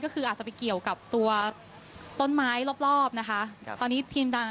ก็คืออาจจะไปเกี่ยวกับตัวต้นไม้รอบรอบนะคะครับตอนนี้ทีมดัง